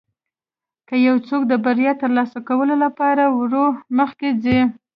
که یو څوک د بریا ترلاسه کولو لپاره ورو مخکې ځي.